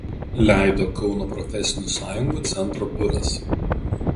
Leido Kauno profesinių sąjungų Centro biuras.